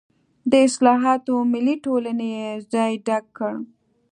د اصلاحاتو ملي ټولنې یې ځای ډک کړ.